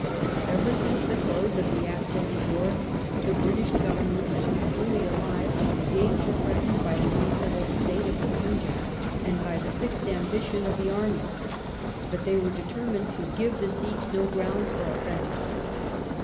Ever since the close of the Afghan War the British Government had been fully alive to the danger threatened by the unsettled state of the Punjab and by the fixed ambition of the army, but they were determined to give the Sikhs no ground for offence.